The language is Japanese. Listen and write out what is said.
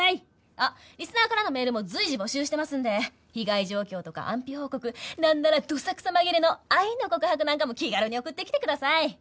あっリスナーからのメールも随時募集してますんで被害状況とか安否報告なんならどさくさまぎれの愛の告白なんかも気軽に送ってきてください。